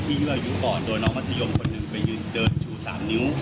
ที่อายุก่อนโดนน้องมัธยมคนที่เดินสับนิ้ว